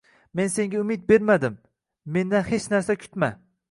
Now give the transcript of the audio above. Men senga umid bermadim, mendan hech narsa kutma